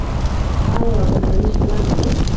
آیا او د نړۍ ښکلا نه دي؟